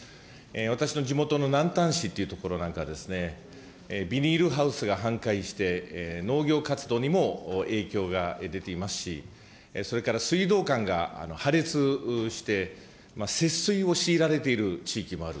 私の地元の南丹市という所なんかはですね、ビニールハウスが半壊して、農業活動にも影響が出ていますし、それから水道管が破裂して、節水を強いられている地域もある。